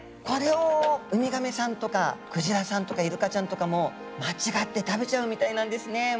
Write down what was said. これをウミガメさんとかクジラさんとかイルカちゃんとかも間違って食べちゃうみたいなんですね。